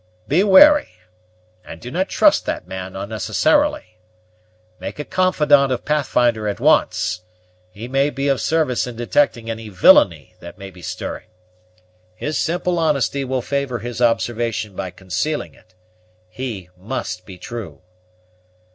"Be wary, and do not trust that man unnecessarily. Make a confidant of Pathfinder at once; he may be of service in detecting any villainy that may be stirring. His simple honesty will favor his observation by concealing it. He must be true."